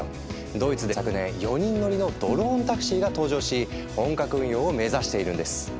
ドイツでは昨年４人乗りのドローンタクシーが登場し本格運用を目指しているんです。